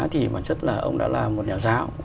thì bản chất là ông đã là một nhà giáo